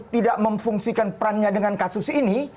tidak memfungsikan perannya dengan kasus ini